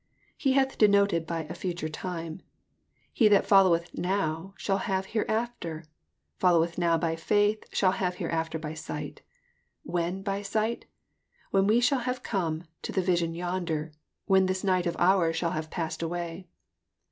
He hath denoted by a future time. He that followeth now, shall have hereafter, — followeth now by faith, shall have hereafter by sight. When by sight? When we shall have come to the vision yonder, when this night of ours shall have passed away."